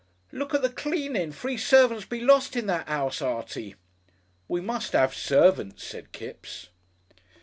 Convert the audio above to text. "Look at the cleanin'. Free servants'll be lost in that 'ouse, Artie." "We must 'ave servants," said Kipps.